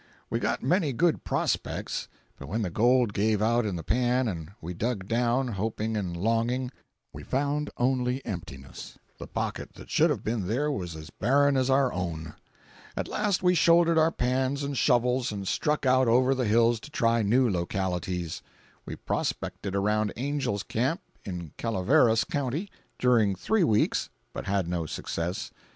We got many good "prospects," but when the gold gave out in the pan and we dug down, hoping and longing, we found only emptiness—the pocket that should have been there was as barren as our own.—At last we shouldered our pans and shovels and struck out over the hills to try new localities. We prospected around Angel's Camp, in Calaveras county, during three weeks, but had no success.